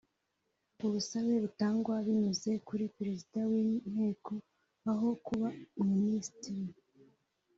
ubusabe butangwa binyuze kuri Perezida w’Inteko aho kuba Minisitiri